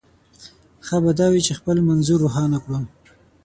ښه به دا وي چې خپل منظور روښانه کړو.